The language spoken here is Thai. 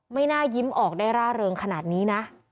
ไม่น่ายิ้มออกได้ร่าเริงขนาดนี้นะ